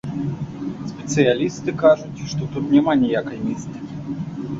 Спецыялісты кажуць, што тут няма ніякай містыкі.